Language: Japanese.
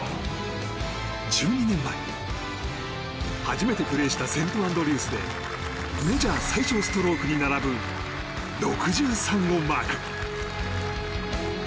１２年前、初めてプレーしたセントアンドリュースでメジャー最少ストロークに並ぶ６３をマーク。